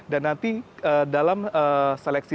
dan nanti dalam seleksi